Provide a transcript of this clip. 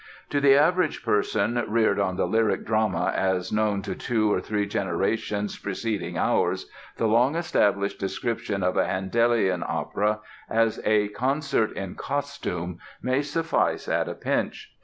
To the average person reared on the lyric drama as known to two or three generations preceding ours the long established description of a Handelian opera as a "concert in costume" may suffice at a pinch.